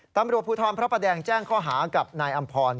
ตำรวจภูทรพระประแดงแจ้งข้อหากับนายอำพร